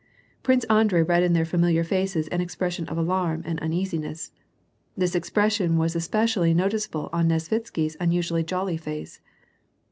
Prince Andrei read in their familiar faces an expression of alarm and uneasiness. This expression was especially no ticeable on Nesvitsky's usually jolly face.